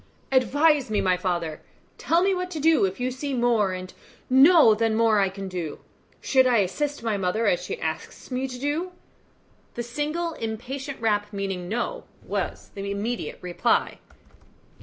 "Advise me, my father; tell me what to do if you see more and know than more I can do. Should I assist my mother, as she asks me to do?" The single impatient rap, meaning "No," was the immediate reply.